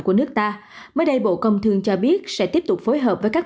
của nước ta mới đây bộ công thương cho biết sẽ tiếp tục phối hợp với các